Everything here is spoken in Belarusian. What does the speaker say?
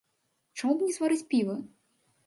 Чаму б не зварыць піва?